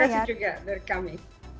terima kasih juga dari kami